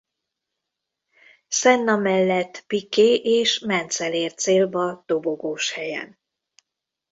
Senna mellett Piquet és Mansell ért célba dobogós helyen.